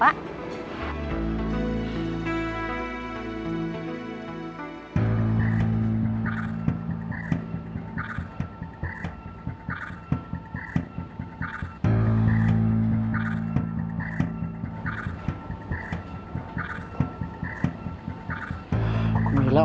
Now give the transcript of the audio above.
baik ditunggu ya pak